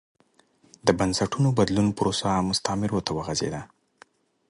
د بنسټونو بدلون پروسه مستعمرو ته وغځېده.